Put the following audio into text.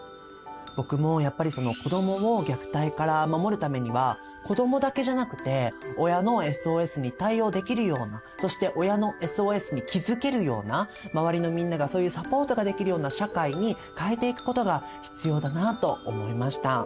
僕もやっぱり子どもを虐待から守るためには子どもだけじゃなくて親のＳＯＳに対応できるようなそして親のＳＯＳに気付けるような周りのみんながそういうサポートができるような社会に変えていくことが必要だなと思いました。